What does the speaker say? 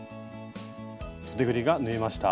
そでぐりが縫えました。